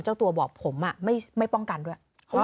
เจ้าตัวบอกผมไม่ป้องกันด้วย